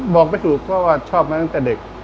บอกไม่ถูกว่าชอบยังแต่เด็ก